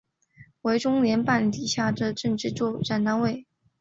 为中联办底下的政治作战单位。